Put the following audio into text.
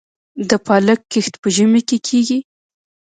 د پالک کښت په ژمي کې کیږي؟